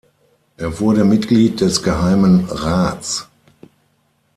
Er wurde Mitglied des Geheimen Rats.